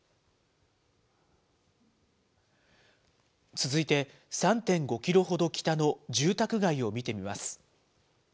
続いて３．５キロほど北の住宅街を見てみます。